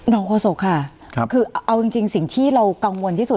โฆษกค่ะคือเอาจริงสิ่งที่เรากังวลที่สุด